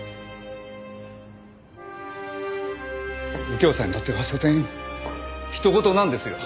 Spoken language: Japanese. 右京さんにとってはしょせん他人事なんですよ。